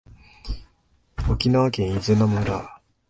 沖縄県伊是名村